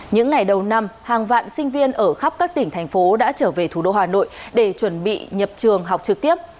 những ngày đầu năm hàng vạn sinh viên ở khắp các tỉnh thành phố đã trở về thủ đô hà nội để chuẩn bị nhập trường học trực tiếp